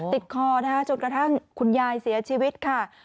คอนะคะจนกระทั่งคุณยายเสียชีวิตค่ะ